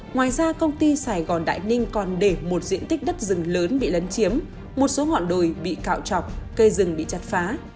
ngoài ra công ty sài gòn đại ninh còn để một diện tích đất rừng lớn bị lấn chiếm một số ngọn đồi bị cạo chọc cây rừng bị chặt phá